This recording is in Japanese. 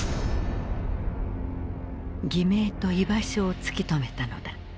偽名と居場所を突き止めたのだ。